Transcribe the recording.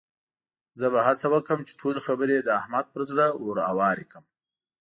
زه به هڅه وکړم چې ټولې خبرې د احمد پر زړه ورهوارې کړم.